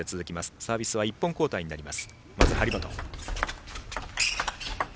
サービスは１本交代になります。